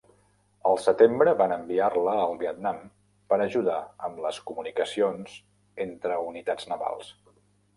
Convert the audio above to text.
Al setembre van enviar-la al Vietnam per ajudar amb les comunicacions entre unitats navals.